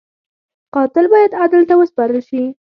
قاتل باید عدل ته وسپارل شي